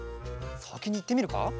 さきにいってみるか？